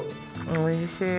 おいしい。